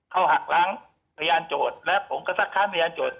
เขาหักล้างพยานโจทย์และผมก็ซักค้านพยานโจทย